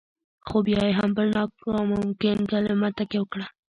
خو بيا يې هم پر ناممکن کلمه تکيه وکړه.